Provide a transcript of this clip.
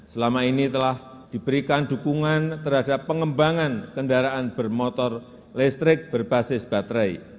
selama ini telah diberikan dukungan terhadap pengembangan kendaraan bermotor listrik berbasis baterai